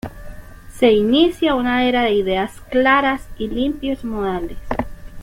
Se inicia una era de ideas claras y limpios modales.